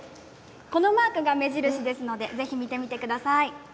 このマークが目印ですので、ぜひ見てみてください。